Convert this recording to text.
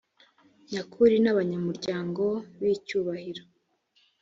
nyakuri n’abanyamuryango b’icyubahiro